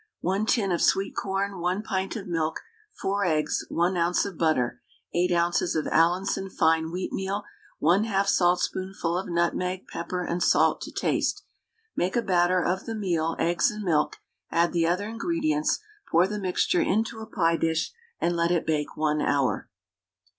1 tin of sweet corn, 1 pint of milk, 4 eggs, 1 oz. of butter, 8 oz. of Allinson fine wheatmeal, 1/2 saltspoonful of nutmeg, pepper and salt to taste. Make a batter of the meal, eggs and milk, add the other ingredients, pour the mixture into a pie dish, and let it bake 1 hour.